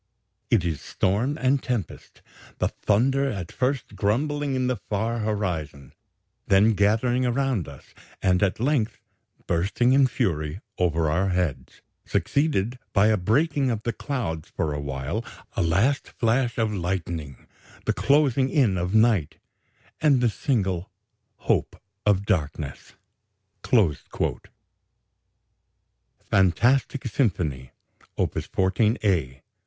It is storm and tempest the thunder at first grumbling in the far horizon, then gathering around us, and at length bursting in fury over our heads succeeded by a breaking of the clouds for a while, a last flash of lightning, the closing in of night, and the single hope of darkness." FANTASTIC SYMPHONY: Op. 14 a 1.